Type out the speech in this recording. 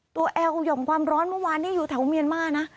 แอลห่อมความร้อนเมื่อวานนี้อยู่แถวเมียนมานะ